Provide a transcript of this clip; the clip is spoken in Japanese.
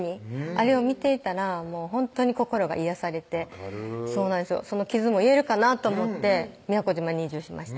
あれを見ていたらもうほんとに心が癒やされて分かるその傷も癒えるかなと思って宮古島に移住しました